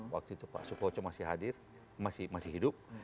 waktu itu pak sukoco masih hadir masih hidup